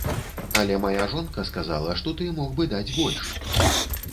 Але мая жонка сказала, што ты мог бы даць больш.